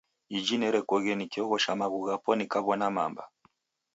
Iji nerekoghe nikioghosha maghu ghapo nikaw'ona mamba.